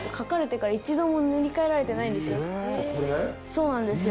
そうなんですよ。